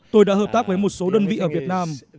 tôi đã hợp tác với một số đơn vị ở việt nam